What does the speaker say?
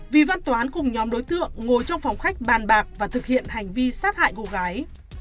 vì văn toán cùng nhóm đối tượng ngồi trong phòng khách bàn bạc và thực hiện hành vi sát hại cô gái